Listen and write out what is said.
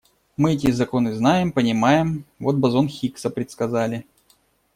Мы эти законы знаем, понимаем, вот бозон Хиггса предсказали.